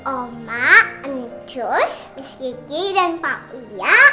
omah ncus bis kiki dan pak uya